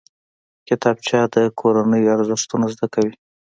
کتابچه د کورنۍ ارزښتونه زده کوي